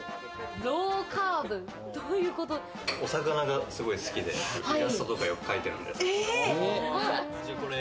お魚がすごい好きで、イラストとかよく描いてる。